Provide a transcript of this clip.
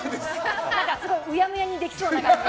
すごい、うやむやにできそうな。